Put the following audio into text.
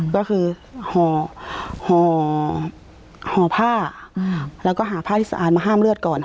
ก็คือห่อผ้าแล้วก็หาผ้าที่สะอาดมาห้ามเลือดก่อน